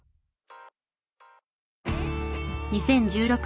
２０１６年